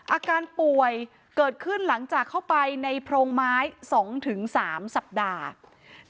อาการป่วยเกิดขึ้นหลังจากเข้าไปในโพรงไม้๒๓สัปดาห์